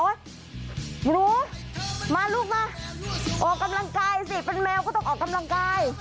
หนูมาลูกมาออกกำลังกายสิเป็นแมวก็ต้องออกกำลังกาย